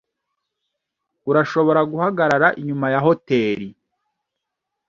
Urashobora guhagarara inyuma ya hoteri .